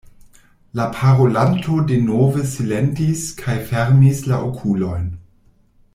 La parolanto denove silentis kaj fermis la okulojn.